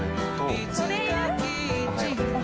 いつかキッチンを